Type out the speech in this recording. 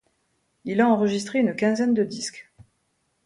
Il a enregistré une quinzaine de disques.